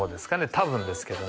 多分ですけどね